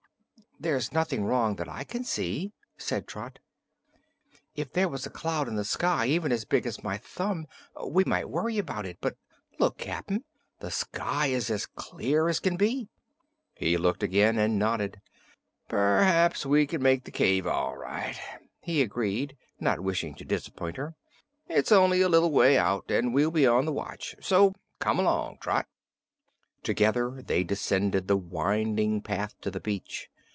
"There's nothing wrong that I can see," said Trot. "If there was a cloud in the sky even as big as my thumb, we might worry about it; but look, Cap'n! the sky is as clear as can be." He looked again and nodded. "P'r'aps we can make the cave, all right," he agreed, not wishing to disappoint her. "It's only a little way out, an' we'll be on the watch; so come along, Trot." Together they descended the winding path to the beach.